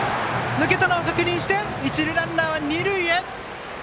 抜けたのを確認して一塁ランナーは二塁へ。